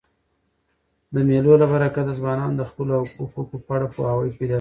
د مېلو له برکته ځوانان د خپلو حقوقو په اړه پوهاوی پیدا کوي.